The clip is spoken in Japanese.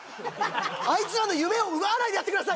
あいつらの夢を奪わないでやってください